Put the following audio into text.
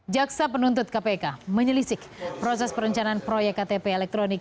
jaksa penuntut kpk menyelisik proses perencanaan proyek ktp elektronik